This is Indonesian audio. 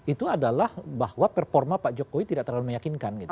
itu adalah bahwa performa pak jokowi tidak terlalu meyakinkan gitu